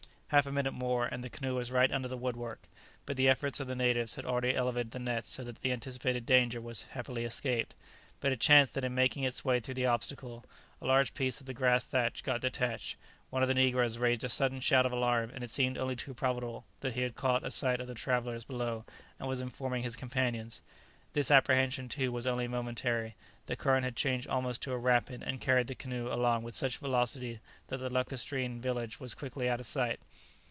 Half a minute more, and the canoe was right under the woodwork, but the efforts of the natives had already elevated the nets so that the anticipated danger was happily escaped; but it chanced that in making its way through the obstacle, a large piece of the grass thatch got detached. One of the negroes raised a sudden shout of alarm, and it seemed only too probable that he had caught a sight of the travellers below and was informing his companions. This apprehension, too, was only momentary; the current had changed almost to a rapid, and carried the canoe along with such velocity that the lacustrine village was quickly out of sight.